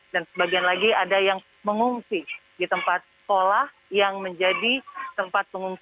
dan sebagian lagi ada yang mengungsi di tempat sekolah yang menjadi tempat pengungsi